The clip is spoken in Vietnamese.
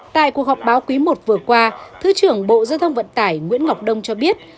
tại cuộc họp báo quý i vừa qua thứ trưởng bộ giao thông vận tải nguyễn ngọc đông cho biết